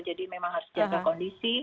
jadi memang harus jaga kondisi